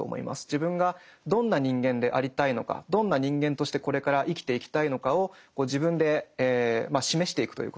自分がどんな人間でありたいのかどんな人間としてこれから生きていきたいのかを自分で示していくということですね。